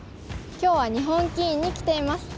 今日は日本棋院に来ています。